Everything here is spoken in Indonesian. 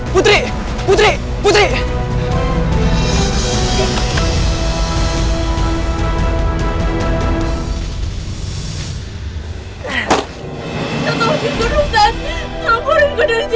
putri putri putri putri putri